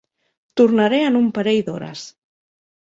Tornaré en un parell d'hores.